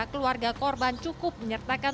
keluarga korban cukup menyertakan